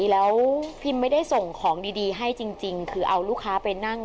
แล้วพิมไม่ได้ส่งของดีให้จริงคือเอาลูกค้าไปนั่ง